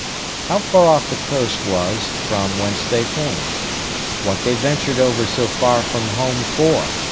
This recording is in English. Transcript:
how far off the coast was from whence they came? what they ventured over so far from home for?